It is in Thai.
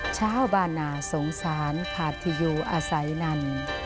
ชาวบ้านนาสงสารขาดที่อยู่อาศัยนั่น